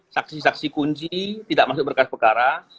saksi saksi kunci tidak masuk berkas perkara